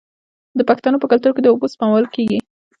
د پښتنو په کلتور کې د اوبو سپمول کیږي.